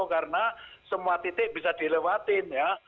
karena semua titik bisa dilewatin ya